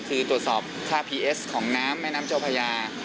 คือตรวจสอบค่าพีเอสของน้ำแม่น้ำเจ้าพญา